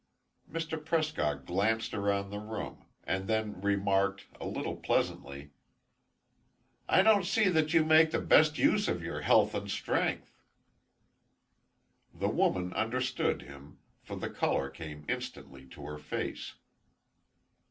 Mr. Prescott glanced around the room, and then remarked, a little pleasantly: "I don't see that you make the best use of your health and strength." The woman understood him, for the color came instantly to her face.